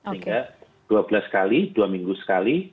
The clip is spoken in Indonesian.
sehingga dua belas kali dua minggu sekali itu sama dengan sekitar enam bulan